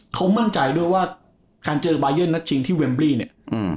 เขามั่นใจด้วยว่าคาลเจอบายเยิ้นนัตชิงที่เวมบลีเนี่ย